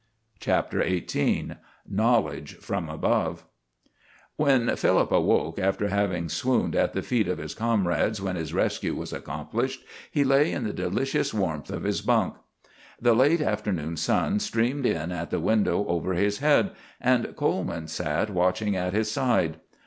CHAPTER XVIII KNOWLEDGE PROM ABOVE When Philip awoke, after having swooned at the feet of his comrades when his rescue was accomplished, he lay in the delicious warmth of his bunk. The late afternoon sun streamed in at the window over his head, and Coleman sat watching at his side.